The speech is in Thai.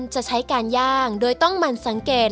จะใช้การย่างโดยต้องหมั่นสังเกต